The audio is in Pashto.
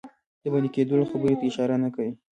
د بندي کېدلو خبري ته اشاره نه کوي.